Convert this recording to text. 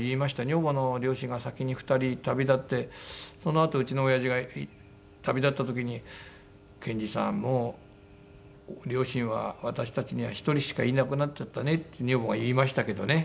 女房の両親が先に２人旅立ってそのあとうちのおやじが旅立った時に「謙治さんもう両親は私たちには１人しかいなくなっちゃったね」って女房が言いましたけどね。